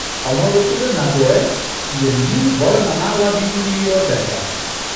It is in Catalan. El nou d'octubre na Chloé i en Guiu volen anar a la biblioteca.